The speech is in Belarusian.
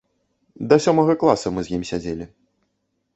Да сёмага класа мы з ім сядзелі.